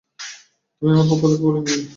তুমি আমার পক্ষ থেকে বলে দিও।